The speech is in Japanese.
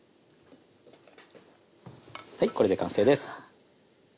はいこれで完成です！